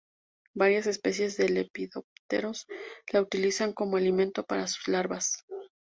Varias especies de lepidópteros la utilizan como alimento para sus larvas.